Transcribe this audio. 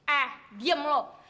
eh diam lu